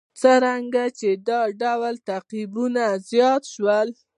څرنګه چې دا ډول تعقیبونه زیات شول.